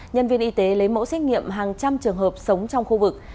nhân viên y tế lấy mẫu xét nghiệm hàng trăm trường hợp sống trong khu vực